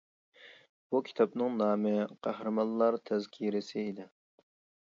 بۇ كىتابنىڭ نامى «قەھرىمانلار تەزكىرىسى» ئىدى.